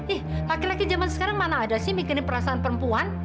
ih laki laki zaman sekarang mana ada sih mikirin perasaan perempuan